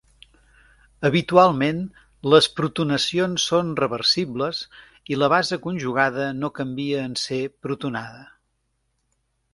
Habitualment, les protonacions són reversibles i la base conjugada no canvia en ser protonada.